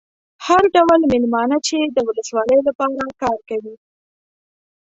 هر ډول مېلمانه چې د ولسوالۍ لپاره کار کوي.